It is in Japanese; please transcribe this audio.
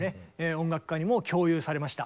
音楽家にも共有されました。